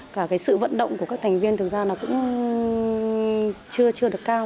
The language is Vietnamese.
cả cái sự vận động của các thành viên thực ra nó cũng chưa được cao